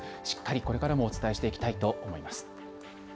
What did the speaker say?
しっかりこれからもお伝えしていきたいと思います。